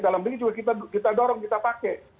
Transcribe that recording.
dalam negeri juga kita dorong kita pakai